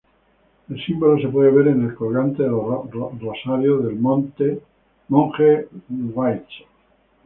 El símbolo se puede ver en el colgante en los rosarios del "Monje Gyatso".